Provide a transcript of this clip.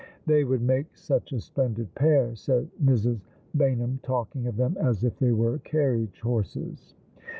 *' They would make such a splendid pair," said Mrs. Bayn ham, talking of them as if they were carriage horses.